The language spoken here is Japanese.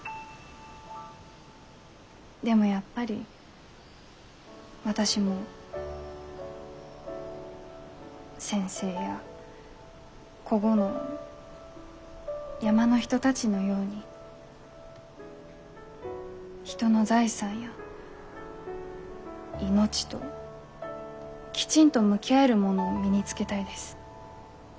でもやっぱり私も先生やこごの山の人たちのように人の財産や命ときちんと向き合えるものを身につけたいです。